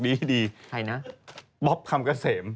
ดีมาก